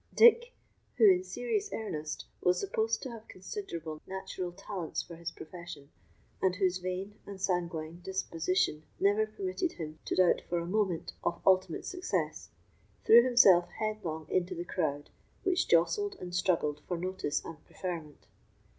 Dick, who, in serious earnest, was supposed to have considerable natural talents for his profession, and whose vain and sanguine disposition never permitted him to doubt for a moment of ultimate success, threw himself headlong into the crowd which jostled and struggled for notice and preferment.